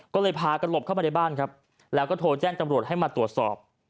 ก็เลยพากันหลบเข้ามาในบ้านครับแล้วก็โทรแจ้งจำรวจให้มาตรวจสอบ